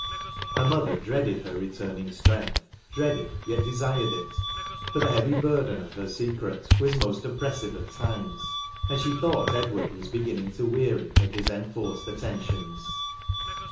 Her mother dreaded her returning strength — dreaded, yet desired it ; for the heavy burden of her secret was most oppressive at times, and she thought Edward was beginning to weary of his enforced attentions.